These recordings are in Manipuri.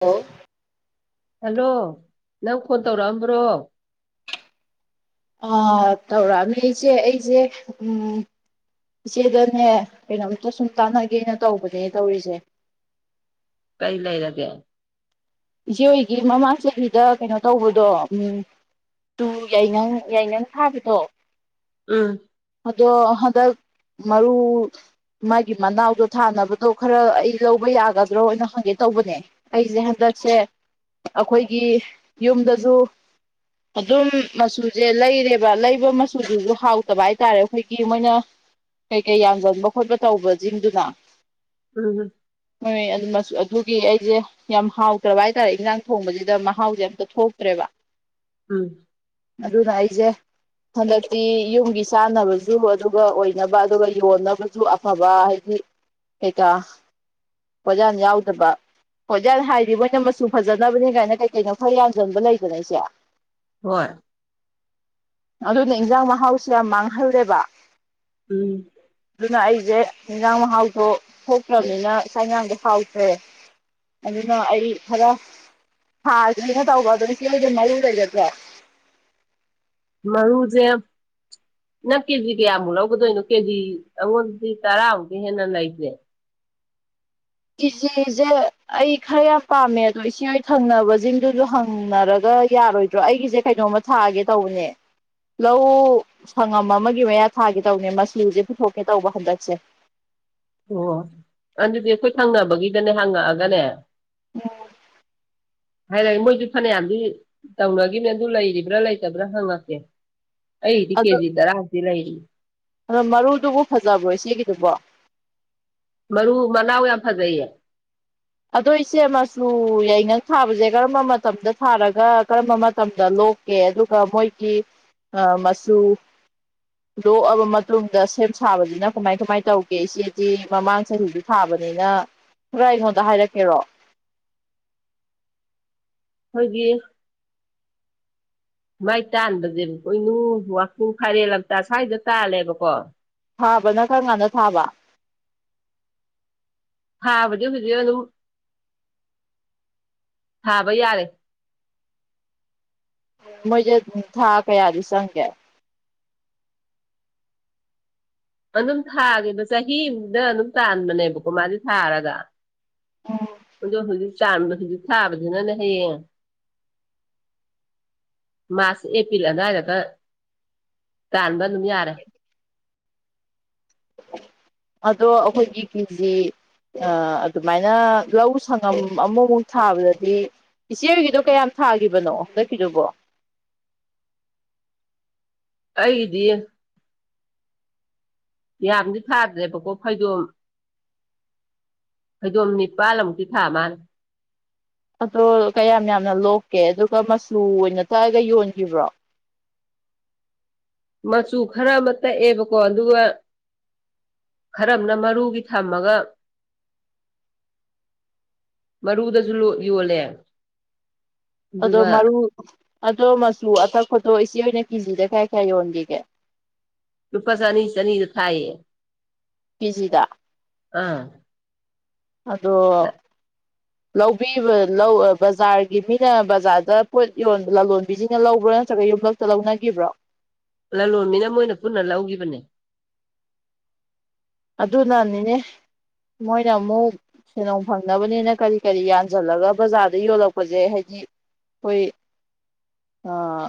ꯑꯣ ꯍꯜꯂꯣ ꯅꯪ ꯐꯣꯟ ꯇꯧꯔꯛ ꯑꯝꯕ꯭ꯔꯣ ꯑ ꯇꯧꯔꯛ ꯑꯝꯃꯦ ꯏꯆꯦ ꯑꯩꯖꯦ ꯎꯝ ꯏꯆꯦꯗꯅꯦ ꯀꯩꯅꯣꯝꯇ ꯁꯨꯝ ꯇꯥꯟꯅꯒꯦꯅ ꯇꯧꯕꯅꯦ ꯇꯧꯔꯤꯁꯦ ꯀꯩ ꯂꯩꯔꯒꯦ ꯏꯆꯦ ꯍꯣꯏꯒꯤ ꯃꯃꯥꯡ ꯆꯍꯤꯗ ꯀꯩꯅꯣ ꯇꯧꯕꯗꯣ ꯎꯝ ꯇꯨ ꯌꯥꯏꯉꯪ ꯌꯥꯏꯉꯪ ꯊꯥꯕꯗꯣ ꯎꯝ ꯑꯗꯣ ꯍꯟꯗꯛ ꯃꯔꯨ ꯃꯥꯒꯤ ꯃꯅꯥꯎꯗꯣ ꯊꯥꯅꯕꯗꯣ ꯈꯔ ꯑꯩ ꯂꯧꯕ ꯌꯥꯒꯗ꯭ꯔꯣꯅ ꯍꯪꯒꯦ ꯇꯧꯕꯅꯦ ꯑꯩꯖꯦ ꯍꯟꯗꯛꯁꯦ ꯑꯩꯈꯣꯏꯒꯤ ꯌꯨꯝꯗꯖꯨ ꯑꯗꯨꯝ ꯃꯆꯨꯖꯦ ꯂꯩꯔꯦꯕ ꯂꯩꯕ ꯃꯆꯨꯗꯨꯁꯨ ꯍꯥꯎꯇꯕ ꯍꯥꯏꯇꯥꯔꯦ ꯑꯩꯈꯣꯏꯒꯤ ꯃꯣꯏꯅ ꯀꯩ ꯀꯩ ꯌꯥꯟꯖꯟꯕ ꯈꯣꯠꯄ ꯇꯧꯕꯁꯤꯡꯗꯨꯅ ꯎꯝ ꯍꯣꯏ ꯑꯗꯨ ꯃꯆꯨ ꯑꯗꯨꯒꯤ ꯑꯩꯖꯦ ꯌꯥꯝ ꯍꯥꯎ ꯇ꯭ꯔꯕ ꯍꯥꯏꯇꯥꯔꯦ ꯏꯟꯖꯥꯡ ꯊꯣꯡꯕꯖꯤꯗ ꯃꯍꯥꯎꯖꯦ ꯑꯝꯇ ꯊꯣꯛꯇ꯭ꯔꯦꯕ ꯎꯝ ꯑꯗꯨꯅ ꯑꯩꯖꯦ ꯍꯟꯗꯛꯇꯤ ꯌꯨꯝꯒꯤ ꯆꯥꯅꯕꯖꯨ ꯑꯗꯨꯒ ꯑꯣꯏꯅꯕ ꯑꯗꯨꯒ ꯌꯣꯟꯅꯕꯖꯤ ꯑꯐꯕ ꯍꯥꯏꯗꯤ ꯀꯩꯀꯥ ꯄꯣꯠꯌꯥꯟ ꯌꯥꯎꯗꯕ ꯄꯣꯠꯌꯥꯟ ꯍꯥꯏꯗꯤ ꯃꯣꯏ ꯃꯆꯨ ꯐꯖꯅꯕꯅꯤ ꯀꯥꯏꯅ ꯀꯩ ꯀꯩꯅꯣ ꯈꯔ ꯌꯥꯖꯟꯕ ꯂꯩꯗꯅ ꯏꯆꯦ ꯍꯣꯏ ꯑꯗꯨꯅ ꯏꯟꯖꯥꯡ ꯃꯍꯥꯎꯁꯨ ꯌꯥꯝ ꯃꯥꯡꯍꯜꯂꯦꯕ ꯎꯝ ꯑꯗꯨꯅ ꯑꯩꯁꯦ ꯏꯟꯖꯥꯡ ꯃꯍꯥꯎꯗꯣ ꯊꯣꯛꯇ꯭ꯔꯕꯅꯤꯅ ꯆꯥꯛ ꯏꯟꯁꯥꯡꯗꯣ ꯍꯥꯎꯇ꯭ꯔꯦ ꯑꯗꯨꯅ ꯑꯩ ꯈꯔ ꯊꯥꯒꯦꯅ ꯇꯧꯕ ꯑꯗꯨ ꯏꯆꯦ ꯍꯣꯏꯗ ꯃꯔꯨ ꯂꯩꯒꯗ꯭ꯔꯣ ꯃꯔꯨꯖꯦ ꯅꯪ ꯀꯦꯖꯤ ꯀꯌꯥꯃꯨꯛ ꯂꯧꯒꯗꯣꯏꯅꯣ ꯀꯦꯖꯤ ꯑꯩꯉꯣꯟꯗꯗꯤ ꯇꯔꯥꯃꯨꯛꯇꯒꯤ ꯍꯦꯟꯅ ꯂꯩꯇ꯭ꯔꯦ ꯀꯤꯖꯤꯁꯦ ꯑꯩ ꯈꯔ ꯌꯥꯝ ꯄꯥꯝꯃꯦ ꯑꯗꯣ ꯏꯆꯦꯍꯣꯏ ꯊꯪꯅꯕꯁꯤꯡꯗꯨꯁꯨ ꯍꯪꯅꯔꯒ ꯌꯥꯔꯣꯏ ꯗ꯭ꯔꯣ ꯑꯩꯒꯤꯁꯦ ꯀꯩꯅꯣꯝꯃ ꯊꯥꯒꯦ ꯇꯧꯕꯅꯦ ꯂꯧ ꯁꯪꯉꯝ ꯑꯃꯒꯤ ꯃꯌꯥ ꯊꯥꯒꯦ ꯇꯧꯕꯅꯦ ꯃꯆꯨꯁꯦ ꯄꯨꯊꯣꯛꯀꯦ ꯇꯧꯕ ꯍꯟꯗꯛꯁꯦ ꯑꯣ ꯑꯗꯨꯗꯤ ꯑꯩꯈꯣꯏ ꯊꯪꯅꯕꯒꯤꯗꯅꯦ ꯍꯪꯉꯛꯑꯒꯅꯦ ꯎꯝ ꯍꯥꯏꯔꯒꯦ ꯃꯣꯏꯗꯤ ꯐꯅꯌꯥꯝꯗꯤ ꯇꯧꯅꯈꯤꯕꯅꯦ ꯑꯗꯨ ꯂꯩꯔꯤꯕ꯭ꯔꯥ ꯂꯩꯇꯕ꯭ꯔꯥ ꯍꯪꯉꯛꯀꯦ ꯑꯩꯗꯤ ꯑꯗꯣ ꯀꯦꯖꯤ ꯇꯔꯥꯗꯤ ꯂꯩꯔꯤ ꯑꯗꯣ ꯃꯔꯨꯗꯨꯕꯨ ꯐꯖꯕ꯭ꯔꯣ ꯏꯆꯦꯒꯤꯗꯨꯕꯣ ꯃꯔꯨ ꯃꯅꯥꯎ ꯌꯥꯝ ꯐꯖꯩꯌꯦ ꯑꯗꯣ ꯏꯆꯦ ꯃꯆꯨ ꯌꯥꯏꯉꯪ ꯊꯥꯕꯁꯦ ꯀꯔꯝꯕ ꯃꯇꯝꯗ ꯊꯥꯔꯒ ꯀꯔꯝꯕ ꯃꯇꯝꯗ ꯂꯣꯛ ꯀꯦ ꯑꯗꯨꯒ ꯃꯣꯏꯒꯤ ꯃꯆꯨ ꯂꯣꯛꯑꯕ ꯃꯇꯨꯡꯗ ꯁꯦꯝ ꯁꯥꯕꯕꯁꯤꯅ ꯀꯃꯥꯏ ꯀꯃꯥꯏ ꯇꯧꯒꯦ ꯏꯆꯦꯗꯤ ꯃꯃꯥꯡ ꯆꯍꯤꯗꯨ ꯊꯥꯕꯅꯤꯅ ꯈꯔ ꯑꯩꯉꯣꯟꯗ ꯍꯥꯏꯔꯛꯀꯦꯔꯣ ꯑꯩꯈꯣꯏꯒꯤ [inaudible] ꯃꯥꯏ ꯇꯥꯟꯕꯁꯦꯕ ꯄꯣꯏꯅꯨ ꯋꯥꯛꯆꯤꯡ ꯐꯥꯏꯔꯦꯜ ꯂꯝꯇꯥ ꯁ꯭ꯋꯥꯏꯗ ꯇꯥꯜꯂꯦꯕꯀꯣ ꯊꯥꯕꯅ ꯀꯔꯝꯀꯥꯟꯗ ꯊꯥꯕ ꯊꯥꯕꯗꯤ ꯍꯧꯖꯤꯛ ꯑꯗꯨꯝ [inaudible] ꯊꯥꯕ ꯌꯥꯔꯦ ꯃꯣꯏꯁꯦ ꯊꯥ ꯀꯌꯥꯗꯤ ꯆꯪꯒꯦ ꯑꯗꯨꯝ ꯊꯥꯒꯤꯕ ꯆꯍꯤ ꯑꯃꯗ ꯑꯗꯨꯝ ꯇꯥꯟꯕꯅꯦꯕꯀꯣ ꯃꯥꯗꯤ ꯊꯥꯔꯒ ꯑꯗꯣ ꯍꯧꯖꯤꯛ ꯇꯥꯟꯕꯗꯨꯗꯤ ꯊꯥꯕꯗꯨꯅꯅꯦ ꯍꯌꯦꯡ ꯃꯥꯔꯁ ꯑꯦꯄꯤꯜ ꯑꯗꯨꯥꯏꯗꯒ ꯇꯥꯟꯕ ꯑꯗꯨꯝ ꯌꯥꯔꯦ ꯑꯗꯣ ꯑꯩꯈꯣꯏꯒꯤ ꯀꯦꯖꯤ ꯑ ꯑꯗꯨꯃꯥꯏꯅ ꯂꯧ ꯁꯪꯉꯝ ꯑꯃꯃꯨꯛ ꯊꯥꯕꯗꯗꯤ ꯏꯆꯦ ꯍꯣꯏꯒꯤꯗꯣ ꯀꯌꯥꯝ ꯊꯥꯒꯤꯕꯅꯣ ꯍꯟꯗꯛꯀꯤꯗꯨꯕꯣ ꯑꯩꯒꯤꯗꯤ ꯌꯥꯝꯗꯤ ꯊꯥꯗ꯭ꯔꯦꯕꯀꯣ ꯐꯩꯗꯣꯝ ꯐꯩꯗꯣꯝ ꯅꯤꯄꯥꯜꯑꯃꯨꯛꯇꯤ ꯊꯥ ꯃꯥꯜꯂꯦ ꯑꯗꯣ ꯀꯌꯥꯝ ꯌꯥꯝꯅ ꯂꯣꯛꯀꯦ ꯑꯗꯨꯒ ꯃꯆꯨ ꯑꯣꯏꯅ ꯇꯛꯑꯒ ꯌꯣꯟꯒꯤꯕ꯭ꯔꯣ ꯃꯆꯨ ꯈꯔ ꯑꯃ ꯇꯛꯑꯦꯕꯀꯣ ꯑꯗꯨꯒ ꯈꯔꯝꯅ ꯃꯔꯨꯒꯤ ꯊꯝꯃꯒ ꯃꯔꯨꯗꯁꯨ ꯂꯨ ꯌꯣꯜꯂꯦ ꯑꯗꯣ ꯑꯗꯨꯒ ꯃꯔꯨ ꯑꯗꯣ ꯃꯆꯨ ꯑꯇꯛꯄꯗꯣ ꯏꯆꯦ ꯑꯣꯏꯅ ꯀꯤꯖꯤꯗ ꯀꯌꯥ ꯀꯌꯥ ꯌꯣꯟꯒꯤꯒꯦ ꯂꯨꯄꯥ ꯆꯅꯤ ꯆꯅꯤꯗ ꯊꯥꯌꯦ ꯀꯦꯖꯤꯗ ꯑꯥ [inaudible] ꯑꯗꯣ ꯂꯧꯕꯤꯕ ꯂꯧ ꯑ ꯕꯖꯥꯔꯒꯤ ꯃꯤꯅ ꯕꯖꯥꯔꯗ ꯄꯣꯠ ꯌꯣ ꯂꯂꯣꯟꯕꯤꯁꯤꯡꯅ ꯂꯧꯕ꯭ꯔꯥ ꯅꯠꯇꯔꯒ ꯌꯨꯝꯂꯛꯇ ꯂꯧꯅꯒꯤꯕ꯭ꯔꯣ ꯂꯂꯣꯟꯕꯤꯅ ꯃꯣꯏꯅ ꯄꯨꯟꯅ ꯂꯧꯒꯤꯕꯅꯦ ꯑꯗꯨꯅꯅꯤꯅꯦ ꯃꯣꯏꯅ ꯑꯃꯨꯛ ꯁꯦꯟꯗꯣꯡ ꯐꯪꯅꯕꯅꯤꯅ ꯀꯔꯤ ꯀꯔꯤ ꯌꯥꯟꯁꯤꯜꯂꯒ ꯕꯖꯥꯔꯗ ꯌꯣꯜꯂꯛꯄꯖꯦ ꯍꯥꯏꯗꯤ ꯍꯣꯏ ꯑꯥꯥ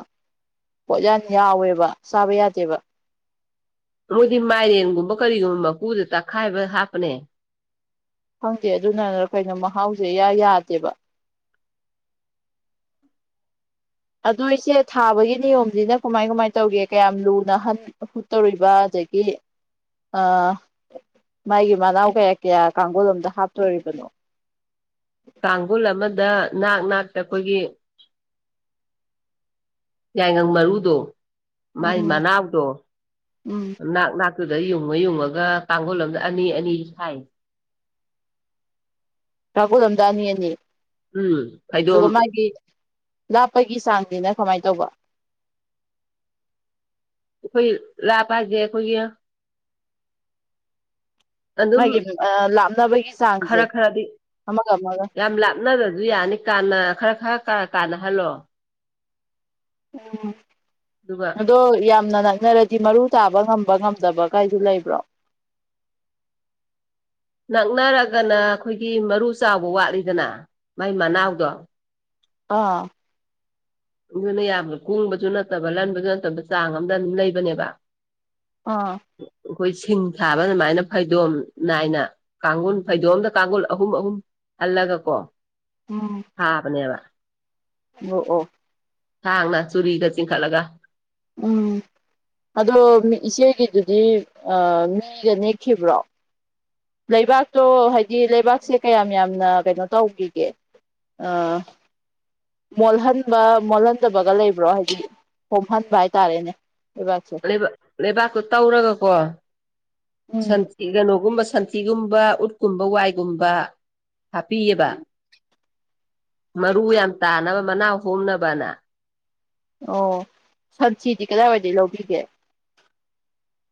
ꯄꯣꯠꯌꯥꯟ ꯌꯥꯎꯋꯦꯕ ꯆꯥꯕ ꯌꯥꯗꯦꯕ ꯃꯣꯏꯗꯤ ꯃꯥꯏꯔꯦꯟꯒꯨꯝꯕ ꯀꯔꯤꯒꯨꯝꯕ ꯃꯀꯨꯗꯨ ꯇꯛꯈꯥꯏꯕ ꯍꯥꯞꯄꯅꯦ ꯈꯪꯗꯦ ꯑꯗꯨꯅꯔ ꯀꯩꯅꯣ ꯃꯍꯥꯎꯁꯦ ꯏꯌꯥ ꯌꯥꯗꯦꯕ ꯑꯗꯨ ꯏꯁꯦ ꯊꯥꯕꯒꯤ ꯅꯤꯌꯣꯝꯁꯤꯅ ꯀꯃꯥꯏ ꯀꯃꯥꯏꯅ ꯇꯧꯒꯦ ꯀꯌꯥꯝ ꯂꯨꯅ ꯍꯟ ꯍꯨꯠ ꯇꯧꯔꯤꯕ ꯑꯗꯒꯤ ꯑ ꯃꯥꯒꯤ ꯃꯅꯥꯎ ꯀꯌꯥ ꯀꯌꯥ ꯀꯥꯡꯒꯨꯜꯂꯣꯝꯗ ꯍꯥꯞꯇꯣꯔꯤꯕꯅꯣ ꯀꯥꯡꯒꯨꯜ ꯑꯃꯗ ꯅꯥꯛ ꯅꯥꯛꯇ ꯈꯣꯏꯒꯤ ꯌꯥꯏꯉꯪ ꯃꯔꯨꯗꯣ ꯃꯥꯏ ꯎꯝ ꯃꯅꯥꯎꯗꯣ ꯎꯝ ꯅꯥꯛ ꯅꯥꯛ ꯇꯨꯗ ꯌꯨꯡꯉ ꯌꯨꯡꯉꯒ ꯇꯥꯡꯒꯨꯜ ꯑꯃꯗ ꯑꯅꯤ ꯑꯅꯤ ꯁꯥꯏ ꯇꯥꯒꯨꯜ ꯑꯃꯗ ꯑꯅꯤ ꯑꯅꯤ ꯎꯝ ꯐꯩꯗꯣꯝ ꯑꯗꯨꯒ ꯃꯥꯒꯤ ꯂꯥꯞꯄꯒꯤ ꯆꯥꯡꯁꯤꯅ ꯀꯃꯥꯏꯅ ꯇꯧꯕ ꯑꯈꯨꯢ ꯂꯥꯞꯄ ꯍꯥꯏꯁꯦ ꯈꯣꯏꯒꯤ ꯑꯗꯨꯝ ꯃꯥꯒꯤ ꯑ ꯂꯥꯞꯅꯕꯒꯤ ꯆꯥꯡꯁꯦ ꯈꯔ ꯑꯃꯒ ꯑꯃꯒ ꯅꯠꯇꯁꯨ ꯌꯥꯅꯤ ꯀꯥꯟꯅ ꯈꯔ ꯈꯔ ꯀ ꯀꯥꯟꯅꯍꯜꯂꯣ ꯎꯝ ꯑꯗꯨꯒ ꯑꯗꯣ ꯌꯥꯝꯅ ꯅꯛꯅꯔ ꯗꯤ ꯃꯔꯨ ꯇꯥꯕ ꯉꯝꯕ ꯉꯝꯗꯕ ꯀꯥꯏꯗꯨ ꯂꯩꯕ꯭ꯔꯣ ꯅꯛꯅꯔꯒꯅ ꯈꯣꯏꯒꯤ ꯃꯔꯨ ꯆꯥꯎꯕ ꯋꯥꯠꯂꯤꯗꯅ ꯃꯥꯏ ꯃꯅꯥꯎꯗꯣ ꯑꯥ ꯑꯗꯨꯅ ꯌꯥꯝꯅ ꯀꯨꯡꯕꯁꯨ ꯅꯠꯇꯕ ꯂꯟꯕꯁꯨ ꯅꯠꯇꯕꯗ ꯆꯥꯡ ꯑꯝꯗ ꯑꯗꯨꯝ ꯂꯩꯕꯅꯦꯕ ꯑꯥ ꯈꯣꯏ ꯁꯤꯡ ꯊꯥꯕ ꯑꯗꯨꯃꯥꯏꯅ ꯐꯩꯗꯣꯝ ꯅꯥꯏꯅ ꯀꯥꯡꯒꯨꯜ ꯐꯩꯗꯣꯝ ꯑꯝꯗ ꯀꯥꯡꯒꯨꯜ ꯑꯍꯨꯝ ꯑꯍꯨꯝ ꯍꯜꯂꯒꯀꯣ ꯎꯝ ꯊꯥꯕꯅꯦꯕ ꯅꯣ ꯑꯣ ꯁꯥꯡꯅ ꯆꯨꯔꯤꯒ ꯆꯤꯡ ꯈꯠꯂꯒ ꯎꯝ ꯑꯗꯣ ꯏꯆꯦꯒꯤꯗꯨꯗꯤ ꯑ ꯃꯤꯒ ꯅꯦꯛꯈꯤꯕ꯭ꯔꯣ ꯂꯩꯕꯥꯛꯇꯣ ꯍꯥꯏꯗꯤ ꯂꯩꯕꯥꯛꯁꯦ ꯀꯌꯥꯝ ꯌꯥꯝꯅ ꯀꯩꯅꯣ ꯇꯧꯒꯤꯒꯦ ꯑꯥ ꯃꯣꯜꯍꯟꯕ ꯃꯣꯜꯍꯟꯗꯕꯒ ꯂꯩꯕ꯭ꯔꯣ ꯍꯥꯏꯗꯤ ꯍꯣꯝꯍꯟꯕ ꯍꯥꯏꯇꯥꯔꯦꯅꯦ ꯂꯩꯕꯥꯛꯁꯦ ꯂꯩꯕꯥꯛꯇꯣ ꯇꯧꯔꯒꯀꯣ ꯎꯝ ꯁꯟ ꯁꯤ ꯀꯩꯅꯣꯒꯨꯝꯕ ꯁꯟꯊꯤꯒꯨꯝꯕ ꯎꯠꯀꯨꯝꯕ ꯋꯥꯏꯒꯨꯝꯕ ꯍꯥꯞꯄꯤꯌꯦꯕ ꯃꯔꯨ ꯌꯥꯝ ꯇꯥꯅꯕ ꯃꯅꯥ ꯍꯣꯝꯅꯕꯅ ꯑꯣ ꯁꯟꯊꯤꯗꯤ ꯀꯗꯥꯏꯋꯥꯏꯗ ꯂꯧꯕꯤꯒꯦ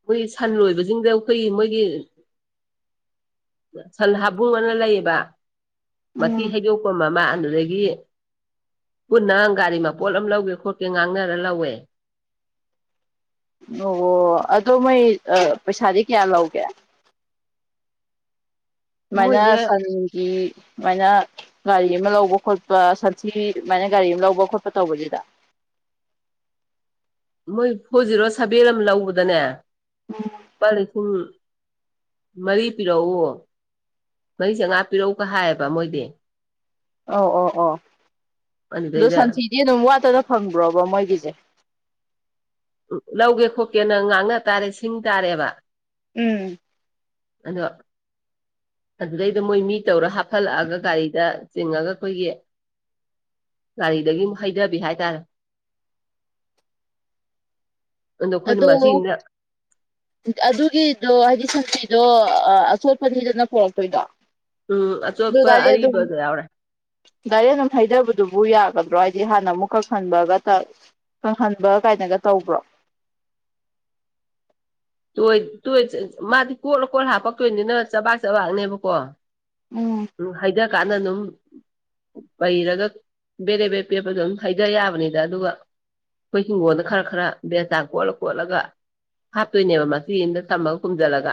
ꯃꯣꯏ ꯁꯟ ꯂꯣꯏꯕꯁꯤꯡꯗ ꯈꯣꯏ ꯃꯣꯏꯒꯤ ꯁꯟ ꯍꯥꯕꯨꯡ ꯑꯅ ꯂꯩꯕ ꯃꯊꯤ ꯎꯝ ꯍꯩꯗꯣꯛꯄ ꯑꯃ ꯑꯗꯨꯗꯒꯤ ꯒꯤ ꯄꯨꯟꯅ ꯒꯥꯔꯤ ꯃꯄꯣꯠ ꯑꯃ ꯂꯧꯒꯦ ꯈꯣꯠꯀꯦ ꯉꯥꯡꯅꯔ ꯂꯧꯋꯦ ꯗꯣꯑꯣ ꯑꯗꯣ ꯃꯣꯏ ꯑꯥ ꯄꯩꯁꯥꯗꯤ ꯀꯌꯥ ꯂꯧꯒꯦ ꯁꯨꯃꯥꯏꯅ ꯃꯣꯏꯁꯦ ꯁꯟꯒꯤ ꯁꯨꯃꯥꯏꯅ ꯒꯥꯔꯤ ꯑꯃ ꯂꯧꯕ ꯈꯣꯠꯄ ꯁꯟꯊꯤ ꯗꯨꯃꯥꯏꯅ ꯒꯥꯔꯤ ꯑꯃ ꯂꯧꯕ ꯈꯣꯠꯄ ꯇꯧꯕꯁꯤꯗ ꯃꯣꯏ ꯐꯣꯔ ꯖꯤꯔꯣ ꯁꯚꯦꯟ ꯑꯃ ꯂꯧꯕꯗꯅꯦ ꯎꯝ ꯄꯥ ꯂꯤꯁꯤꯡ ꯃꯔꯤ ꯄꯤꯔꯛꯎ ꯃꯔꯤ ꯆꯉꯥ ꯄꯤꯔꯛꯎꯒ ꯍꯥꯏꯌꯦꯕ ꯃꯣꯏꯗꯤ ꯑꯧ ꯑꯣ ꯑꯣ ꯑꯗꯨ ꯑꯗꯨꯗꯩꯗ ꯁꯟꯊꯤꯗꯤ ꯑꯗꯨꯝ ꯋꯥꯠꯇꯅ ꯐꯪꯕ꯭ꯔꯣꯕ ꯃꯣꯏꯒꯤꯖꯦ ꯎꯝ ꯂꯧꯒꯦ ꯈꯣꯠꯀꯦꯅ ꯉꯥꯡꯅ ꯇꯥꯔꯦ ꯁꯤꯡ ꯇꯥꯔꯦꯕ ꯎꯝ ꯑꯗꯣ ꯑꯗꯨꯗꯩꯗ ꯃꯣꯏ ꯃꯤ ꯇꯧꯔ ꯍꯥꯞꯐꯜꯂꯛꯑꯒ ꯒꯥꯔꯤꯗ ꯆꯤꯡꯉꯒ ꯑꯈꯣꯏꯒꯤ ꯒꯥꯔꯤꯗꯒꯤ ꯑꯃꯨꯛ ꯍꯩꯗꯕꯤ ꯍꯥꯏꯇꯥꯔꯦ ꯑꯩꯈꯣꯏꯅ ꯑꯗꯣ ꯃꯆꯤꯟꯗ ꯑꯗꯨꯒꯤꯗꯣ ꯍꯥꯏꯗꯤ ꯁꯟꯊꯤꯗꯣ ꯑ ꯑꯆꯣꯠꯄꯅꯤꯗꯅ ꯄꯣꯔꯛꯇꯣꯏꯗꯣ ꯎꯝ ꯑꯗꯨ ꯑꯆꯣꯠꯄ ꯗꯥꯏꯔꯦꯛ ꯑꯔꯤꯕ ꯑꯗꯨꯝ ꯗꯣ ꯌꯥꯎꯔꯦ ꯗꯥꯏꯔꯦꯛ ꯗꯨꯝ ꯍꯩꯗꯕꯗꯨꯕꯨ ꯌꯥꯒꯗ꯭ꯔꯣ ꯍꯥꯏꯗꯤ ꯍꯥꯟꯅ ꯑꯃꯨꯛ ꯀꯣꯍꯟꯕꯒ ꯇꯛ ꯀꯪꯍꯟꯕ ꯀꯥꯏꯅꯒ ꯇꯧꯕ꯭ꯔꯣ ꯇꯣꯏ ꯇꯣꯏ [unintelligible] ꯃꯥꯗꯤ ꯀꯣꯠꯂ ꯀꯣꯠꯂ ꯍꯥꯞꯄꯛꯇꯨꯏꯅꯤꯅ ꯆꯕꯥꯛ ꯆꯕꯥꯛꯅꯦꯕꯀꯣ ꯎꯝ ꯎꯝ ꯍꯩꯗꯥ ꯀꯥꯟꯗ ꯑꯗꯨꯝ ꯄꯩꯔꯒ ꯕꯦꯔꯦꯕꯦ ꯄꯦꯠꯄꯗꯣ ꯑꯗꯨꯝ ꯍꯩꯗꯥ ꯌꯥꯕꯅꯤꯗ ꯑꯗꯨꯒ ꯑꯩꯈꯣꯏ ꯍꯤꯡꯒꯣꯟꯗ ꯈꯔ ꯈꯔ ꯕꯦꯔꯆꯥꯟ ꯀꯣꯠꯂ ꯀꯣꯠꯂꯒ ꯍꯥꯞꯇꯨꯏꯅꯦꯕ ꯃꯆꯤ ꯑꯃꯗ ꯊꯝꯃꯒ ꯀꯨꯝꯖꯜꯂꯒ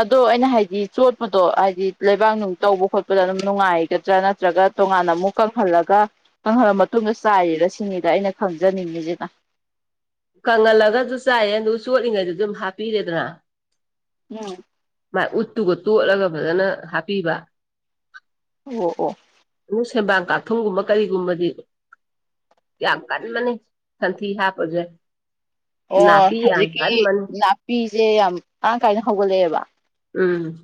ꯑꯗꯣ ꯑꯩꯅ ꯍꯥꯏꯗꯤ ꯆꯣꯠꯄꯗꯣ ꯍꯥꯏꯗꯤ ꯂꯩꯕꯥꯛ ꯅꯨꯡ ꯇꯧꯕ ꯈꯣꯠꯄꯗ ꯑꯗꯨꯝ ꯅꯨꯡꯉꯥꯏꯒꯗ꯭ꯔꯥ ꯅꯠ ꯇ꯭ꯔꯒ ꯇꯣꯉꯥꯟꯅ ꯑꯃꯨꯛ ꯀꯪꯍꯜꯂꯒ ꯀꯪꯍꯜꯂ ꯃꯇꯨꯡꯗ ꯆꯥꯏꯔꯤꯔ ꯁꯤꯅꯤꯗ ꯑꯩꯅ ꯈꯪꯖꯅꯤꯡꯉꯤꯖꯤꯅ ꯀꯪꯍꯜꯂꯒꯖꯨ ꯆꯥꯏꯌꯦ ꯑꯗꯨꯒ ꯆꯣꯠꯂꯤꯉꯩꯗꯖꯨ ꯑꯗꯨꯝ ꯍꯥꯞꯄꯤꯔꯦꯗꯅ [unintelligible] ꯃꯥꯥꯏ ꯎꯠꯇꯨꯒ ꯇꯣꯠꯂꯒ ꯐꯖꯅ ꯍꯥꯞꯄꯤꯕ ꯑꯣ ꯑꯣ ꯑꯗꯨ ꯁꯦꯟꯕꯥꯡ ꯀꯥꯊꯨꯝꯒꯨꯝꯕ ꯀꯔꯤꯒꯨꯝꯕꯗꯤ ꯌꯥꯝ ꯀꯟꯕꯅꯤ ꯁꯟꯊꯤ ꯍꯥꯞꯄꯖꯦ ꯑꯣ ꯍꯧꯖꯤꯛꯀꯤ ꯀꯟꯕꯅꯤ ꯅꯥꯄꯤꯖꯦ ꯌꯥꯝ ꯃꯔꯥꯡ ꯀꯥꯏꯅ ꯍꯧꯒꯠꯂꯛꯑꯦꯕ ꯎꯝ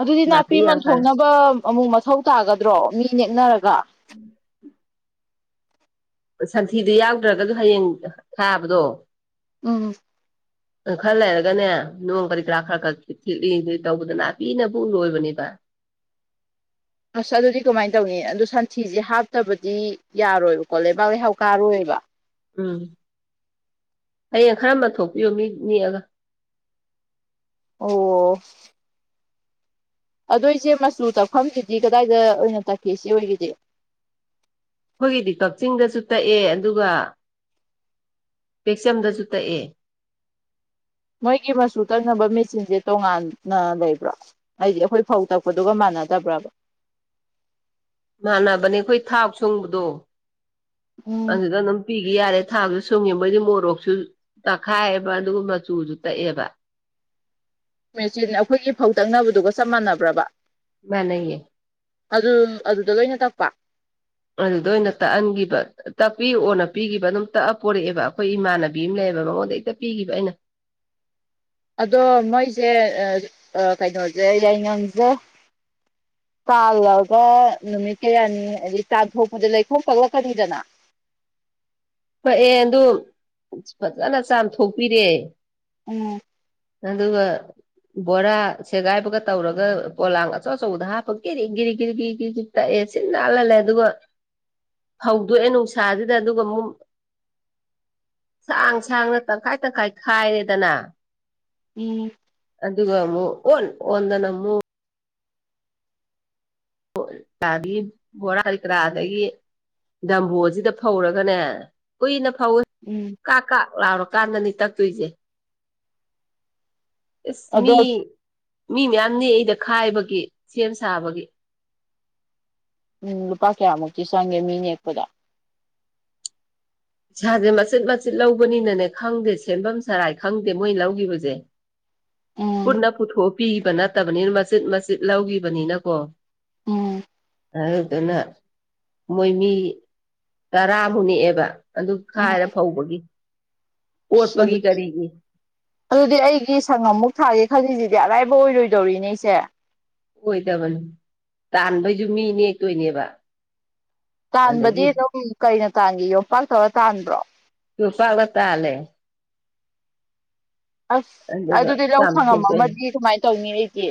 ꯑꯗꯨꯗꯤ ꯅꯥꯄꯤ ꯌꯥꯝ ꯀꯜꯂꯦ ꯃꯟꯊꯣꯛꯅꯕ ꯑꯃꯨꯛ ꯃꯊꯧ ꯇꯥꯒꯗ꯭ꯔꯣ ꯃꯤ ꯅꯦꯛꯅꯔꯒ ꯎꯝ ꯁꯟꯊꯤꯗꯣ ꯌꯥꯎꯗ꯭ꯔꯒꯖꯨ ꯍꯌꯦꯡ ꯊꯥꯕꯗꯣ ꯎꯝ ꯈꯔ ꯂꯩꯔꯒꯅꯦ ꯅꯣꯡ ꯀꯔꯤ ꯀꯔꯥ ꯈꯔ ꯈꯔ ꯊꯤꯠꯂꯤ ꯊꯤꯠꯂꯤ ꯇꯧꯕꯗꯅꯦ ꯅꯥꯄꯤꯅꯕꯨ ꯂꯣꯏꯕꯅꯦꯕ ꯑꯁ ꯑꯗꯨꯗꯤ ꯀꯃꯥꯏꯅ ꯇꯧꯅꯤ ꯑꯗꯨ ꯁꯟꯊꯤꯖꯦ ꯍꯥꯞꯇꯕꯗꯤ ꯌꯥꯔꯣꯏꯕꯀꯣ ꯂꯩꯕꯥꯛ ꯂꯩꯩ ꯍꯧ ꯀꯥꯔꯣꯏꯕ ꯎꯝ ꯍꯌꯦꯡ ꯈꯔ ꯃꯟꯊꯣꯛꯄꯤꯌꯣ ꯃꯤ ꯅꯦꯛꯑꯒ ꯑꯧꯋꯣ ꯑꯗꯣ ꯏꯆꯦ ꯃꯆꯨ ꯇꯥꯛꯐꯝꯖꯤꯗꯤ ꯀꯗꯥꯏꯗ ꯑꯣꯏꯅ ꯇꯛꯀꯦ ꯏꯆꯦ ꯍꯣꯏꯒꯤꯗꯤ ꯑꯩꯈꯣꯏꯒꯤꯗꯤ ꯀꯛꯆꯤꯡꯗꯁꯨ ꯇꯛꯑꯦ ꯑꯗꯨꯒ ꯇꯦꯛꯆꯝꯗꯖꯨ ꯇꯛꯑꯦ ꯃꯣꯏꯒꯤ ꯃꯆꯨ ꯇꯛꯅꯕ ꯃꯦꯆꯤꯟꯖꯦ ꯇꯣꯉꯥꯟꯅ ꯂꯩꯕ꯭ꯔꯣ ꯑꯩꯗꯤ ꯑꯩꯈꯣꯏ ꯐꯧ ꯇꯛꯄꯗꯨꯒ ꯃꯥꯟꯅꯗꯕ꯭ꯔꯥꯕ ꯃꯥꯟꯅꯕꯅꯦ ꯑꯩꯈꯣꯏ ꯊꯥꯎ ꯁꯨꯡꯕꯗꯣ ꯎꯝ ꯑꯗꯨꯗ ꯑꯗꯨꯝ ꯄꯤꯒꯤ ꯌꯥꯔꯦ ꯊꯥꯎꯖꯨ ꯁꯨꯡꯉꯦ ꯃꯣꯏꯗꯤ ꯃꯣꯔꯣꯛꯁꯨ ꯇꯛꯈꯥꯏꯑꯕ ꯑꯗꯨꯒ ꯃꯆꯨꯖꯨ ꯇꯛꯑꯦꯕ ꯃꯦꯆꯤꯟ ꯑꯩꯈꯣꯏꯒꯤ ꯐꯧ ꯇꯛꯅꯕꯗꯨꯒ ꯆꯞ ꯃꯥꯟꯅꯕ꯭ꯔꯥꯕ ꯃꯥꯟꯅꯩꯌꯦ ꯑꯗꯨꯝ ꯑꯗꯨꯗ ꯂꯣꯏꯅ ꯇꯛꯄ ꯑꯗꯨꯗ ꯑꯣꯏꯅ ꯇꯛꯍꯟꯒꯤꯕ ꯇꯛꯄꯤꯔꯛꯑꯣꯅ ꯄꯤꯒꯤꯕ ꯑꯗꯨꯝ ꯇꯛꯑ ꯄꯣꯔꯛꯑꯦꯕ ꯑꯩꯈꯣꯏ ꯏꯃꯥꯟꯅꯕꯤ ꯑꯃ ꯂꯩꯌꯦꯕ ꯃꯉꯣꯟꯗ ꯍꯦꯛꯇ ꯄꯤꯒꯤꯕ ꯑꯩꯅ ꯑꯗꯣ ꯃꯣꯏꯖꯦ ꯑꯥ ꯑꯥ ꯀꯩꯅꯣꯖꯦ ꯌꯥꯏꯉꯪꯖꯦ ꯇꯥꯜꯂꯒ ꯅꯨꯃꯤꯠ ꯀꯌꯥꯅꯤ ꯑꯗꯤ ꯇꯥꯟꯊꯣꯛꯄꯖꯦ ꯂꯩꯈꯣꯝ ꯄꯛꯂꯛꯀꯅꯤꯗꯅ ꯄꯛꯑꯦ ꯑꯗꯨ ꯐꯖꯅ ꯆꯥꯝꯊꯣꯛꯄꯤꯔꯦ ꯎꯝ ꯑꯗꯨꯒ ꯕꯣꯔꯥ ꯁꯦꯒꯥꯏꯕꯒ ꯇꯧꯔꯒ ꯄꯣꯂꯥꯡ ꯑꯆꯧ ꯑꯆꯧꯕꯗ ꯍꯥꯞꯄꯒ ꯒꯤꯔꯤ ꯒꯤꯔꯤ ꯒꯤꯔꯤ ꯒꯤꯔꯤ ꯒꯤꯔꯤ ꯒꯤꯔꯤ ꯇꯛꯑꯦ ꯁꯤꯠ ꯅꯥꯜꯍꯥꯜꯂꯦ ꯑꯗꯨꯒ [inaudible] ꯐꯧꯗꯣꯛꯑꯦ ꯅꯨꯡꯁꯥꯖꯤꯗ ꯑꯗꯨꯒ ꯑꯃꯨꯛ ꯁꯥꯡ ꯁꯥꯡꯅ ꯇꯪꯈꯥꯏ ꯇꯪꯈꯥꯏ ꯈꯥꯏꯔꯦꯗꯅ ꯎꯝ ꯑꯗꯨꯒ ꯑꯃꯨꯛ ꯑꯣꯟ ꯑꯣꯟꯗꯅ ꯑꯃꯨꯛ [unintelligible] ꯌꯥꯒꯤ ꯕꯣꯔꯥ ꯀꯔꯤ-ꯀꯔꯥ ꯑꯗꯒꯤ ꯗꯝꯕꯣꯔꯁꯤꯗ ꯐꯧꯔꯒꯅꯦ ꯀꯨꯏꯅ ꯐꯧꯋꯤ ꯎꯝ ꯀꯥꯛ ꯀꯥꯛ ꯂꯥꯎꯔꯀꯥꯟꯗꯅꯤ ꯇꯛꯇꯣꯏꯖꯦ ꯑꯁ ꯃꯤ ꯑꯗꯣ ꯃꯤ ꯃꯌꯥꯝ ꯅꯦꯛ ꯏꯗ ꯈꯥꯏꯕꯒꯤ ꯁꯦꯝ ꯁꯥꯕꯒꯤ ꯎꯝ ꯂꯨꯄꯥ ꯀꯌꯥꯃꯨꯛꯇꯤ ꯆꯪꯒꯦ ꯃꯤ ꯅꯦꯛꯄꯗ ꯄꯩꯁꯥꯖꯦ ꯃꯆꯤꯠ ꯃꯆꯤꯠ ꯂꯧꯕꯅꯤꯅꯅꯦ ꯈꯪꯗꯦ ꯁꯦꯝꯕꯝ ꯁꯔꯥꯏ ꯈꯪꯗꯦ ꯃꯣꯏ ꯂꯧꯒꯤꯕꯖꯦ ꯎꯝ ꯄꯨꯟꯅ ꯄꯨꯊꯣꯛ ꯑ ꯄꯤꯒꯤꯕ ꯅꯠꯇꯕꯅꯤꯅ ꯃꯆꯤꯠ ꯃꯆꯤꯠ ꯂꯧꯒꯤꯕꯅꯤꯅꯀꯣ ꯎꯝ ꯑꯗꯨꯗꯨꯅ ꯃꯣꯏ ꯃꯤ ꯇꯔꯥꯃꯨꯛ ꯅꯦꯛꯑꯦꯕ ꯑꯗꯨ ꯎꯝ ꯈꯥꯏꯔ ꯐꯧꯕꯒꯤ ꯑꯣꯠꯄꯒꯤ ꯑꯗꯨꯗꯤ ꯀꯔꯤꯒꯤ ꯑꯗꯨꯗꯤ ꯑꯩꯒꯤ ꯁꯪꯉꯝ ꯃꯨꯛ ꯊꯥꯒꯦ ꯈꯜꯂꯤꯖꯤꯗꯤ ꯑꯔꯥꯏꯕ ꯑꯣꯏꯔꯣꯏꯗꯧꯔꯤꯅꯦ ꯏꯆꯦ ꯑꯣꯏꯗꯕꯅꯦ ꯇꯥꯟꯕꯩꯖꯨ ꯃꯤ ꯅꯦꯛꯇꯣꯏꯅꯦꯕ ꯇꯥꯟꯕꯗꯤ ꯑꯗꯒꯤ ꯑꯗꯨꯝ ꯀꯩꯅ ꯇꯥꯟꯒꯦ ꯌꯣꯝꯄꯥꯛ ꯇꯧꯔ ꯇꯥꯟꯕ꯭ꯔꯣ ꯌꯣꯠꯄꯥꯛꯅ ꯇꯥꯜꯂꯦ ꯑꯁ ꯑꯗꯨꯒ ꯑꯗꯨꯗꯤ ꯂꯧ ꯁꯪꯉꯝ ꯆꯥꯝꯊꯣꯛꯇꯣꯏꯅꯤ ꯑꯃꯗꯤ ꯀꯃꯥꯏꯅ ꯇꯧꯅꯤ ꯑꯩꯗꯤ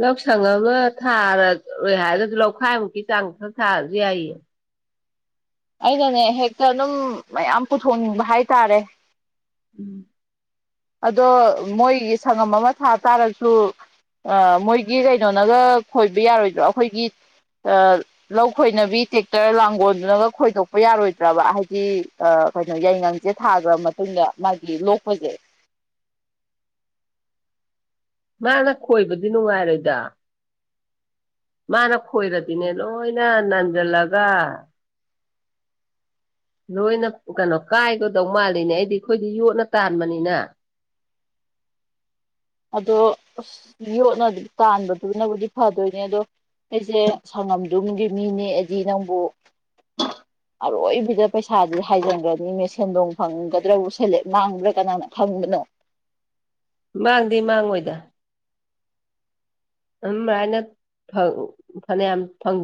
ꯂꯧ ꯁꯪꯉꯝ ꯑꯃ ꯊꯥꯔꯔꯣꯏ ꯍꯥꯏꯔꯒꯁꯨ ꯂꯧꯈꯥꯏꯃꯨꯛꯀꯤ ꯆꯥꯡ ꯈꯛ ꯊꯥꯔꯖꯨ ꯌꯥꯏꯌꯦ ꯑꯩꯅꯅꯦ ꯍꯦꯛꯇ ꯑꯗꯨꯝ ꯃꯌꯥꯝ ꯄꯨꯊꯣꯛꯅꯤꯡꯕ ꯍꯥꯏꯇꯥꯔꯦ ꯎꯝ ꯑꯗꯣ ꯃꯣꯏꯒꯤ ꯁꯪꯉꯝ ꯑꯃ ꯊꯥ ꯇꯥꯔꯁꯨ ꯑ ꯃꯣꯏꯒꯤ ꯀꯩꯅꯣꯅꯒ ꯈꯣꯏꯕ ꯌꯥꯔꯣꯏꯗ꯭ꯔꯣ ꯑꯩꯈꯣꯏꯒꯤ ꯑꯥ ꯂꯧ ꯈꯣꯏꯅꯕꯤ ꯇꯦꯛꯇꯔ ꯂꯥꯡꯒꯣꯜꯗꯨꯅꯒ ꯈꯣꯏꯗꯣꯛꯄ ꯌꯥꯔꯣꯏꯗ꯭ꯔꯕ ꯍꯥꯏꯗꯤ ꯌꯥꯏꯉꯪꯖꯦ ꯊꯥꯈꯒ꯭ꯔ ꯃꯇꯨꯡꯗ ꯃꯥꯒꯤ ꯂꯣꯛꯄꯖꯦ ꯃꯥꯅ ꯈꯣꯏꯕꯗꯤ ꯅꯨꯡꯉꯥꯏꯔꯣꯏꯗ ꯃꯥꯅ ꯈꯣꯏꯔꯗꯤꯅꯦ ꯂꯣꯏꯅ ꯅꯥꯟꯖꯜꯂꯒ ꯂꯣꯏꯅ ꯀꯅꯣ ꯀꯥꯏꯒꯗꯧ ꯃꯥꯜꯂꯤꯅꯦ ꯑꯩꯗꯤ ꯑꯩꯈꯣꯏꯗꯤ ꯌꯣꯠꯅ ꯇꯥꯟꯕꯅꯤꯅ ꯑꯗꯣ ꯑꯁ ꯌꯣꯠꯅꯗꯤ ꯇꯥꯟꯕꯗꯨꯅꯕꯨꯗꯤ ꯐꯗꯣꯏꯅꯦ ꯑꯗꯣ ꯑꯩꯖꯦ ꯁꯪꯉꯝꯗꯨꯝꯒꯤ ꯃꯤ ꯅꯦꯛꯑꯗꯤ ꯅꯪꯕꯨ ꯑꯔꯣꯏꯕꯤꯗ ꯄꯩꯁꯥꯥꯖꯦ ꯍꯥꯏꯖꯟꯒ꯭ꯔꯅꯤꯅꯦ ꯁꯦꯟꯗꯣꯡ ꯐꯪꯒꯗ꯭ꯔꯕꯨ ꯁꯦꯂꯦꯞ ꯃꯥꯡꯕ꯭ꯔꯥ ꯀꯅꯥꯅ ꯈꯪꯕꯅꯣ ꯃꯥꯡꯗꯤ ꯃꯥꯡꯉꯣꯏꯗ ꯗꯨꯝ ꯃꯔꯥꯏꯅꯥ ꯐꯪ ꯐꯅꯥꯌꯝ ꯐꯪꯖꯥ